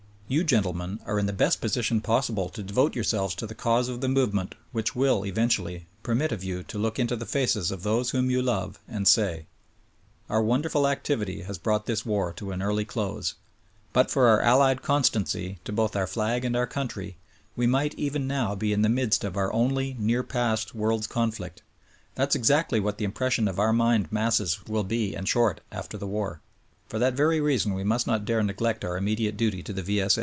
You, gentlemen, are in the best position possible to devote yourselves to the cause of the movement which will, eventually, permit of you to look into the faces of those whom you love and say : "Our wonderful activity has brought this Avar to an early close. But for our allied constancy to both our flag and our country, we might even now be in the midst of our only near past world's conflict. That's exactly what the impression of our mind masses will be and shortly after the war. For that very reason we must not dare neglect our immediate duty to the V.